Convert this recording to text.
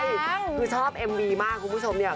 ใช่คือชอบเอ็มบีมากคุณผู้ชมเนี่ย